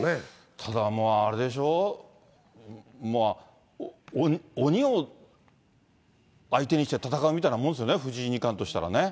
ただもうあれでしょ、鬼を相手にして戦うみたいなもんですよね、藤井二冠としたらね。